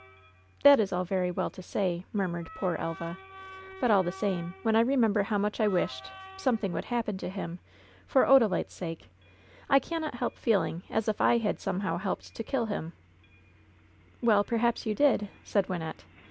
"That is all very well to say," murmured poor Elva ; *T}ut, all the same, when I remember how much I wished — something would happen to him — for Odalite's sake, I LOVE'S BITTEREST CUP 47 cannot help feeling as if I had somehow helped to kill him/' "Well, perhaps you did/' said Wynnette.